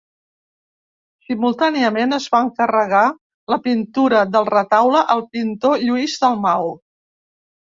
Simultàniament es va encarregar la pintura del retaule al pintor Lluís Dalmau.